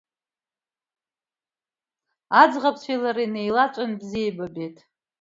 Аӡӷабцәеи лареи инеилаҵәан бзиа еибабеит.